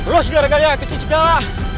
lo juga ada gaya kecil juga lah